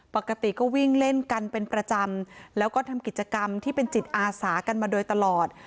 ปกติก็วิ่งเล่นกันเป็นประจำแล้วก็ทำกิจกรรมที่เป็นจิตอาสากันมาโดยตลอด